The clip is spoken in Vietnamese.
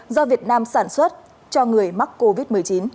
do việt nam sản xuất cho người mắc covid một mươi chín